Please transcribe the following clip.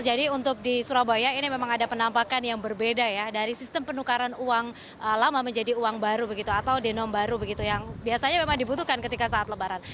jadi untuk di surabaya ini memang ada penampakan yang berbeda ya dari sistem penukaran uang lama menjadi uang baru begitu atau denim baru begitu yang biasanya memang dibutuhkan ketika saat lebaran